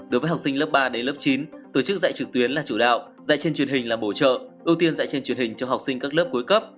đối với học sinh lớp ba đến lớp chín tổ chức dạy trực tuyến là chủ đạo dạy trên truyền hình là bổ trợ ưu tiên dạy trên truyền hình cho học sinh các lớp cuối cấp